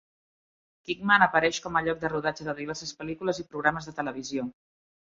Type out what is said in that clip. Kingman apareix com a lloc de rodatge de diverses pel·lícules i programes de televisió.